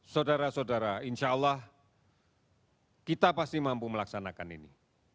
saudara saudara insyaallah kita pasti mampu melaksanakan ini